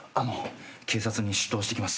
警察に出頭してきます。